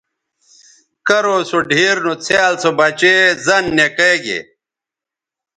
کرو سو ڈِھیر نو څھیال سو بچے زَن نِکئے گے